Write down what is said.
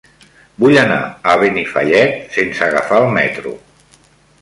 Vull anar a Benifallet sense agafar el metro.